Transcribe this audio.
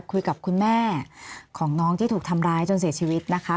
คุยกับคุณแม่ของน้องที่ถูกทำร้ายจนเสียชีวิตนะคะ